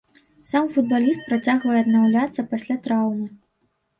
Сам футбаліст працягвае аднаўляцца пасля траўмы.